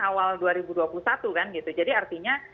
awal dua ribu dua puluh satu kan gitu jadi artinya